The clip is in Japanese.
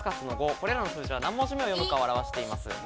これらの数字の何文字目を読むかを表しています。